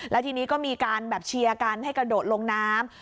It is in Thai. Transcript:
แล้วทีนี้ก็มีการแบบเชียร์กันให้กระโดดลงน้ำ